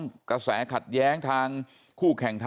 หรือว่าถูกเรื่องขัดแย้งทางคู่แข่งทางการเมืองท้องถิ่น